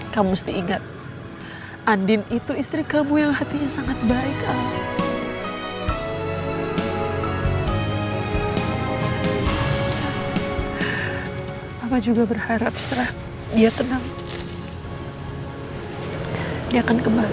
kamu mesti ingat andin itu istri kamu yang hatinya sangat baik al